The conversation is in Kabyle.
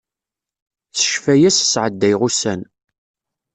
S ccfaya-s sɛeddayeɣ ussan.